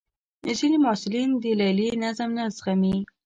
ځینې محصلین د لیلیې نظم نه زغمي.